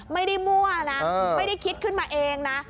มั่วนะไม่ได้คิดขึ้นมาเองนะ